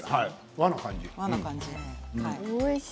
和の感じで。